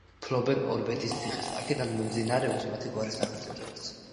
ფლობდნენ ორბეთის ციხეს, აქედან მომდინარეობს მათი გვარის სახელწოდებაც.